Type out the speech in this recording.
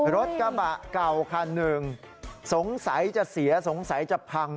รถกระบะเก่าคันหนึ่งสงสัยจะเสียสงสัยจะพัง